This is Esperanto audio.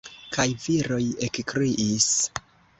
Kaj viroj ekkriis.